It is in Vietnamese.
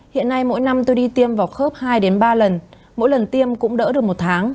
hiện nay mỗi năm tôi đi tiêm vào khớp hai ba lần mỗi lần tiêm cũng đỡ được một tháng